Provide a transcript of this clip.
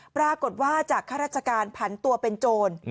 ปรากฏว่าจากข้าราชการผันตัวเป็นโจร